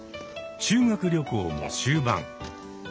修学旅行も終盤。